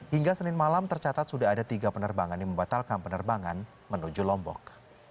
hingga senin malam tercatat sudah ada tiga penerbangan yang membatalkan penerbangan menuju lombok